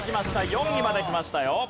４位まできましたよ。